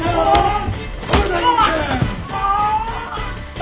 あ。